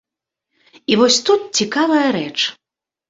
І вось тут цікавая рэч.